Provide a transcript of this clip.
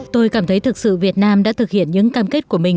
tôi cảm thấy thực sự việt nam đã thực hiện những cam kết của mình